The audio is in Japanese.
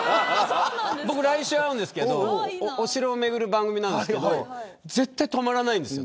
僕、来週会うんですけどお城を巡る番組なんですけど絶対泊まらないんですよ。